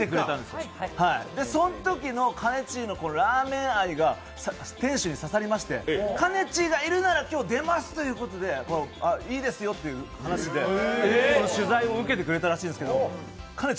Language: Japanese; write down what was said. そのときのかねちーのラーメン愛が店主に刺さりまして、かねちーがいるなら今日、出ますということでいいですよという話で取材を受けてくれたらしいんですけど、かねち